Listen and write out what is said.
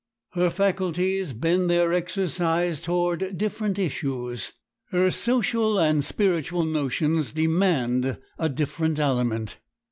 Her faculties bend their exercise toward different issues, her social and spiritual notions demand a different aliment.